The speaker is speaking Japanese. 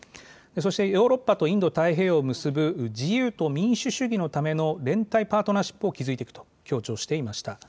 そして、ヨーロッパとインド太平洋を結ぶ自由と民主主義のための連帯パートナーシップを築いていくと強調していました。